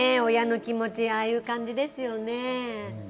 親の気持ち、ああいう感じですよね。